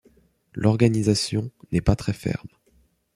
L'organisation n'est pas très ferme.